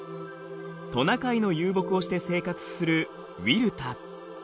トナカイの遊牧をして生活するウィルタ。